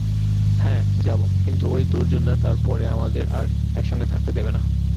হাঁ যাব, কিন্তু ঐ দূর্জনরা তার পরে আমাদের আর একসঙ্গে থাকতে দেবে না।